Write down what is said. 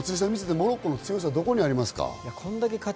モロッコの強さ、どこにありますか？